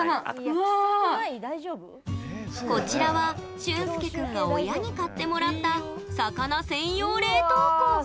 こちらは、しゅんすけ君が親に買ってもらった魚専用冷凍庫。